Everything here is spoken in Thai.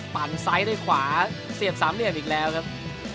ปั่นไซส์ด้วยขวาเสียบสามเหลี่ยมอีกแล้วครับ